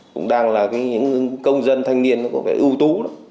cũng đang là những công dân thanh niên ưu tú